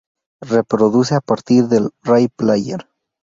Reproduce a partir de Real player.